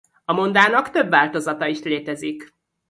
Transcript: A mondának több változata is létezik.